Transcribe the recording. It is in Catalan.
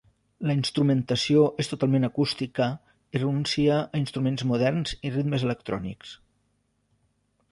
La instrumentació és totalment acústica i renuncia a instruments moderns i ritmes electrònics.